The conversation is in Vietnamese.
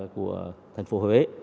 của thành phố huế